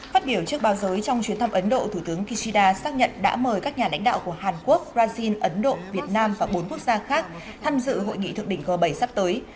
phát biểu trước báo giới trong chuyến thăm ấn độ thủ tướng kishida xác nhận đã mời các nhà lãnh đạo của hàn quốc brazil ấn độ việt nam và bốn quốc gia khác tham dự hội nghị thượng đỉnh g bảy sắp tới